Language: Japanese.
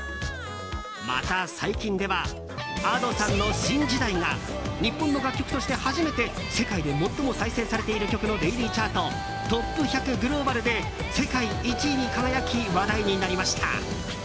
また、最近ではＡｄｏさんの「新時代」が日本の楽曲として初めて世界で最も再生されている曲のデイリーチャートトップ１００：グローバルで世界１位に輝き話題になりました。